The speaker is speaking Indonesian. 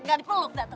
nggak dipeluk tante